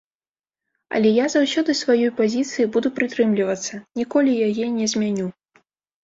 Але я заўсёды сваёй пазіцыі буду прытрымлівацца, ніколі яе не змяню.